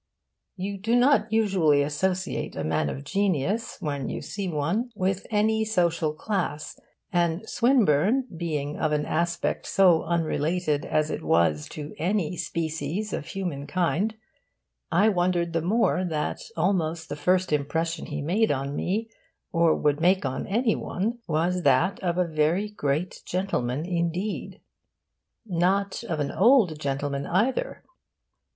You do not usually associate a man of genius, when you see one, with any social class; and, Swinburne being of an aspect so unrelated as it was to any species of human kind, I wondered the more that almost the first impression he made on me, or would make on any one, was that of a very great gentleman indeed. Not of an old gentleman, either.